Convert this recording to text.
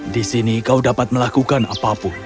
di sini kau dapat melakukan apapun